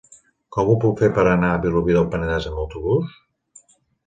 Com ho puc fer per anar a Vilobí del Penedès amb autobús?